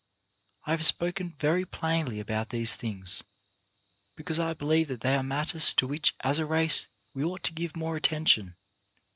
I have spoken very plainly about these things, because I believe that they are matters to which as a race we ought to give more attention.